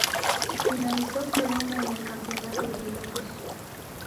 Finalizó segundo en el campeonato de pilotos.